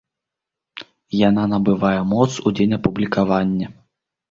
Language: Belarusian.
Яна набывае моц у дзень апублікавання.